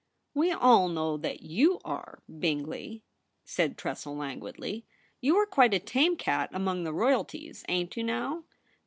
'We all know that yoit are, Bingley,' said Tressel languidly. * You are quite a tame cat among the royalties, ain't you now